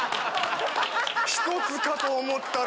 １つかと思ったら。